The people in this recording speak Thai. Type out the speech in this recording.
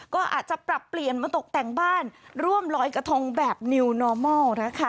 ก็อาจจะปรับเปลี่ยนมาตกแต่งบ้านร่วมลอยกระทงแบบนะคะ